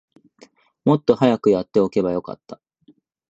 もっと早くやっておけばよかった